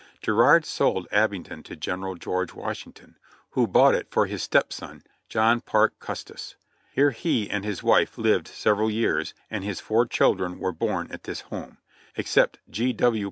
Girard sold Abingdon to General George Washington, who bought it for his step son, John Parke Custis. Here he and his wife lived several years, and his four children were born at this home, except G. W.